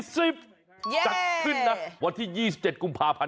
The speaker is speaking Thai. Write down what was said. จัดขึ้นนะวันที่๒๗กุมภาพันธ์